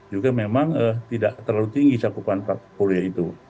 juga memang tidak terlalu tinggi cakupan lapornya itu